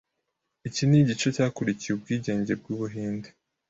Iki n’igice cyakurikiye Ubwigenge bw’Ubuhinde